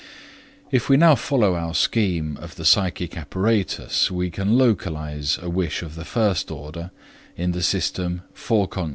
If we now follow our scheme of the psychic apparatus, we can localize a wish of the first order in the system Forec.